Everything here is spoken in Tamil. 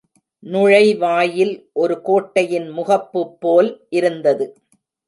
நுழைவாயில் ஒரு கோட்டையின் முகப்புபோல் இருந்தது.